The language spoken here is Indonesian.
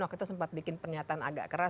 waktu itu sempat bikin pernyataan agak keras